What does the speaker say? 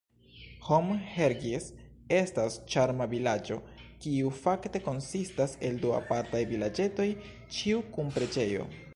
Hon-Hergies estas ĉarma vilaĝo, kiu fakte konsistas el du apartaj vilaĝetoj, ĉiu kun preĝejo.